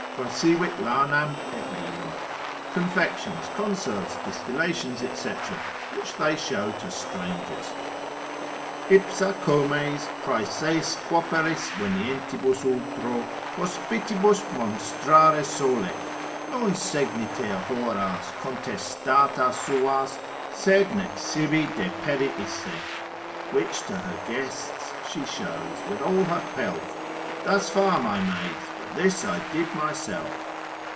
quaesivit lanam et linum) confections, conserves, distillations, &c., which they show to strangers. Ipsa comes praesesque operis venientibus ultro Hospitibus monstrare solet, non segniter horas Contestata suas, sed nec sibi depertisse. Which to her guests she shows, with all her pelf, Thus far my maids, but this I did myself.